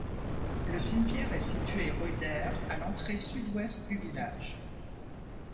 Le cimetière est situé rue d'Erre à l'entrée sud-Ouest du village.